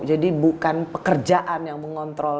jadi bukan pekerjaan yang mengontrol